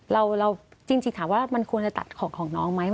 จริงถามว่ามันควรจะตัดของของน้องไหม